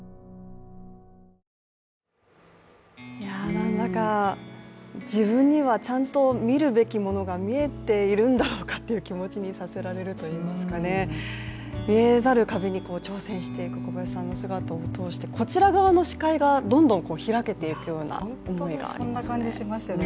なんだか、自分にはちゃんと見るべきものが見えているんだろうかという気持ちにさせられるといいますか見えざる壁に挑戦していく小林さんの姿を通してこちら側の視界がどんどん開けていくような思いがありましたね。